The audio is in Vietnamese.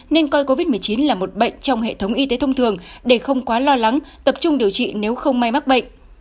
nên coi covid một mươi chín là một bệnh trong hệ thống y tế thông thường để không quá lo lắng tập trung điều trị nếu không may mắc bệnh